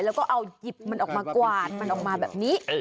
แล้วก็เอาหยิบมันออกมากวาดมันออกมาแบบนี้